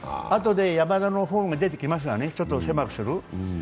あとで山田のフォームが出てきますがね、ちょっと狭くする。